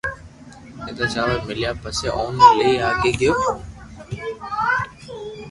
ايتا چاور ميليا پسو اوني لئين آگي گيو